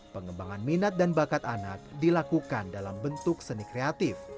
pengembangan minat dan bakat anak dilakukan dalam bentuk seni kreatif